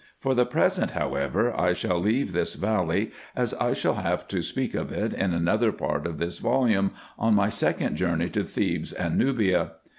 For the present, however, I shall leave this valley, as I shall have to speak of it in another part of this volume, on my second journey to Thebes and Nubia.